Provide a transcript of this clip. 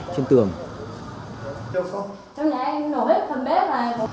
trong bóng tường